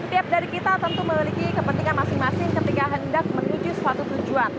setiap dari kita tentu memiliki kepentingan masing masing ketika hendak menuju suatu tujuan